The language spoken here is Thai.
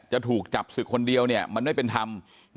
จะถูกจับศึกคนเดียวมันไม่เป็นธรรม